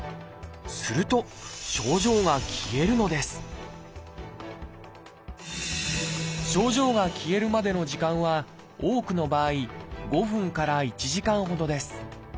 すると症状が消えるのです症状が消えるまでの時間は多くの場合５分から１時間ほどです。